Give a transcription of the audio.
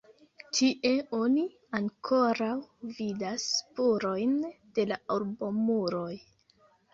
Tie oni ankoraŭ vidas spurojn de la urbomuroj.